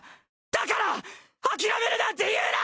だから諦めるなんて言うな！